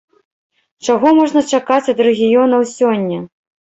Чаго можна чакаць ад рэгіёнаў сёння?